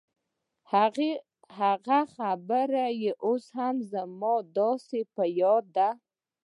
هغه خبرې اوس هم زما داسې په ياد دي.